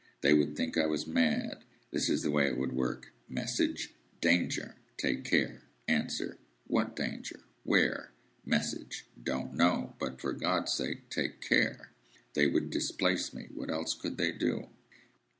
They would think I was mad. This is the way it would work,—Message: 'Danger! Take care!' Answer: 'What Danger? Where?' Message: 'Don't know. But, for God's sake, take care!' They would displace me. What else could they do?"